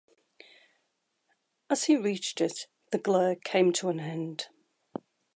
As he reached it the glare came to an end.